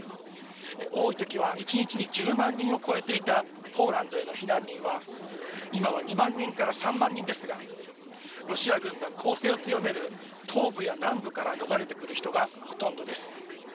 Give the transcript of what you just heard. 多いときは１日に１０万人を超えていたポーランドへの避難民は、今は２万人から３万人ですが、ロシア軍が攻勢を強める東部や南部から逃れてくる人がほとんどです。